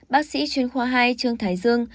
bác sĩ chuyên khoa hai trương thái dương